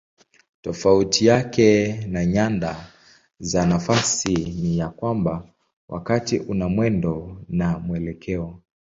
Tofauti yake na nyanda za nafasi ni ya kwamba wakati una mwendo na mwelekeo.